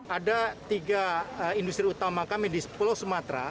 ada tiga industri utama kami di pulau sumatera